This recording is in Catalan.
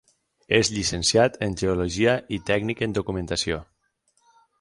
És Llicenciat en Geologia i Tècnic en Documentació.